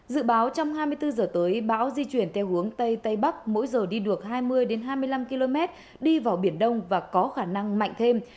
dự báo trong hai mươi bốn h tới bão di chuyển theo hướng tây tây bắc mỗi giờ đi được hai mươi hai mươi năm km đi vào biển đông và có khả năng mạnh thêm